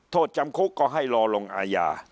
โทษจำคุกก็ให้รอลงอาญา